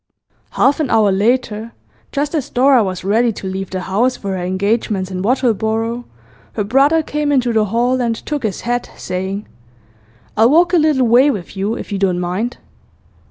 Half an hour later, just as Dora was ready to leave the house for her engagements in Wattleborough, her brother came into the hall and took his hat, saying: 'I'll walk a little way with you, if you don't mind.